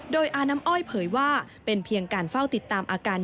โดยอาน้ำอ้อยเผยว่าเป็นเพียงการเฝ้าติดตามอาการ